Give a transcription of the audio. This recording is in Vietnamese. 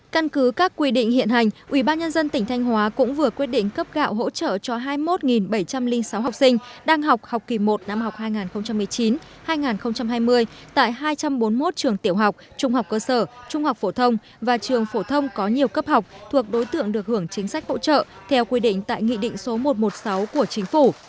căn cứ các quy định hiện hành ubnd tỉnh thanh hóa cũng vừa quyết định cấp gạo hỗ trợ cho hai mươi một bảy trăm linh sáu học sinh đang học học kỳ một năm học hai nghìn một mươi chín hai nghìn hai mươi tại hai trăm bốn mươi một trường tiểu học trung học cơ sở trung học phổ thông và trường phổ thông có nhiều cấp học thuộc đối tượng được hưởng chính sách hỗ trợ theo quy định tại nghị định số một trăm một mươi sáu của chính phủ